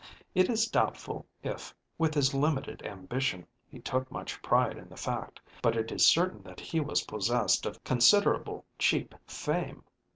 It is doubtful if, with his limited ambition, he took much pride in the fact, but it is certain that he was possessed of considerable cheap fame.